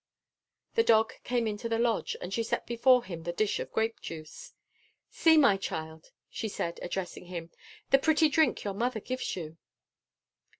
The dog came into the lodge, and she set before him the dish of grape juice. "See, my child," she said, addressing him, "the pretty drink your mother gives you."